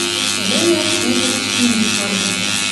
Ӹлӹмӓш угӹц шӱмӹш пырен.